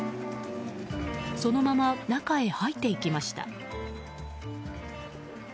そのまま中へ入っていきました。